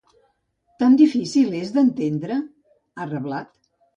Tan difícil és d’entendre?, ha reblat.